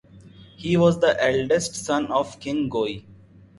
He was the eldest son of King Goi.